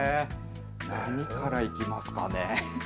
何からいきますかね。